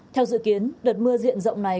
theo dự kiến đợt mưa diện rộng này